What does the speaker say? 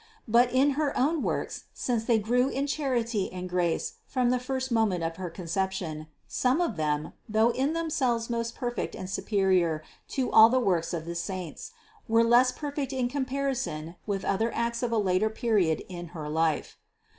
But in her own works, since they grew in charity and grace from the first moment of her Conception, some of them, though in themselves most perfect and superior to all the works of the saints, were less perfect in comparison with other acts of a later period in her life.